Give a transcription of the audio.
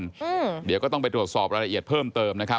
เดี๋ยวก็ต้องไปตรวจสอบรายละเอียดเพิ่มเติมนะครับ